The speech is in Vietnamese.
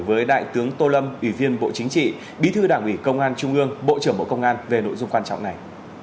với đại tướng tô lâm ủy viên bộ chính trị bí thư đảng ủy công an trung ương bộ trưởng bộ công an về nội dung quan trọng này